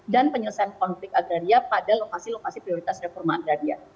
penyelesaian konflik agraria pada lokasi lokasi prioritas reforma agraria